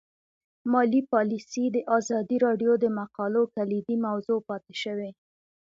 مالي پالیسي د ازادي راډیو د مقالو کلیدي موضوع پاتې شوی.